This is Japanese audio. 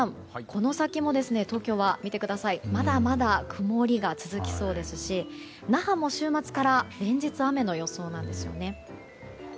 この先も東京はまだまだ曇りが続きそうですし那覇も週末から連日、雨の予想なんですね。